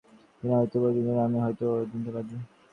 তুমি হয়তো দ্বৈতবাদী, আমি হয়তো অদ্বৈতবাদী।